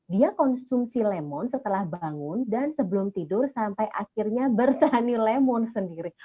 dia konsumsi lemon setelah bangun dan sebelum tidur sampai akhirnya bertani lemon sendiri